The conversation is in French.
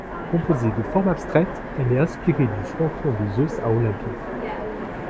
Composée de formes abstraites, elle est inspirée du fronton de Zeus à Olympie.